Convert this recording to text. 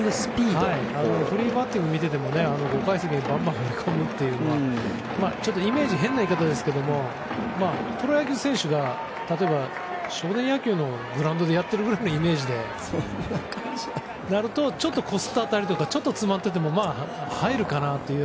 フリーバッティングを見ていても５階席にバンバン放り込むというのはちょっと、イメージ変な言い方でですけどプロ野球選手が例えば少年野球のグラウンドでやっているくらいのイメージだとするとちょっとこすった当たりとか詰まった当たりでも入るかなと。